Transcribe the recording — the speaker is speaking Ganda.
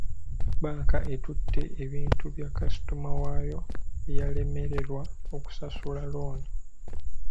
Bbanka etutte ebintu bya kasitoma waayo eyalemererwa okusasula looni.